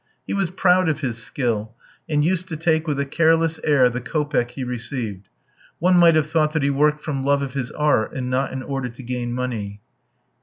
He was proud of his skill, and used to take with a careless air the kopeck he received; one might have thought that he worked from love of his art, and not in order to gain money.